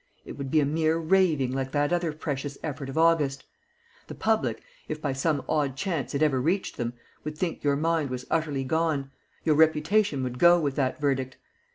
It would be a mere raving like that other precious effort of August. The public, if by some odd chance it ever reached them, would think your mind was utterly gone; your reputation would go with that verdict.